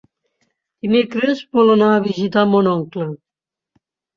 Dimecres vol anar a visitar mon oncle.